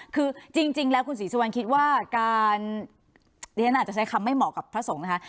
คือจริงแล้วคุณศรีสุวรรณคิดว่าการดิฉันอาจจะใช้คำไม่เหมาะกับพระสงฆ์นะคะ